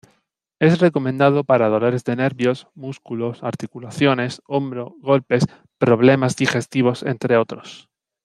Es recomendado para dolores de nervios, músculos, articulaciones, hombro, golpes, problemas digestivos, entre otros.